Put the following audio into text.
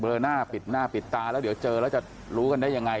หน้าปิดหน้าปิดตาแล้วเดี๋ยวเจอแล้วจะรู้กันได้ยังไง